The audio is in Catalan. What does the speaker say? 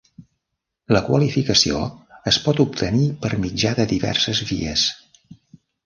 La qualificació es pot obtenir per mitjà de diverses vies.